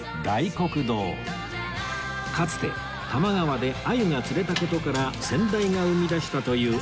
かつて多摩川で鮎が釣れた事から先代が生み出したという鮎